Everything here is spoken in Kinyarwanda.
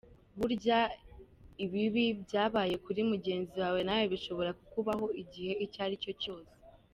Burya ibibi byabaye kuri mugenzi wawe nawe bishobora kukubaho igihe icyo ari cyo cyose.